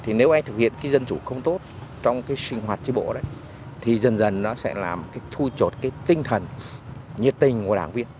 thì nếu ai thực hiện cái dân chủ không tốt trong cái sinh hoạt tri bộ đấy thì dần dần nó sẽ làm cái thu chột cái tinh thần nhiệt tình của đảng viên